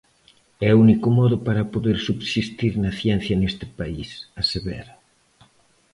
É o único modo para subsistir na ciencia neste país, asevera.